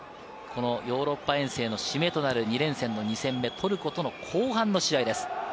ヨーロッパ遠征の締めとなる２連戦の２戦目、トルコとの後半の試合です。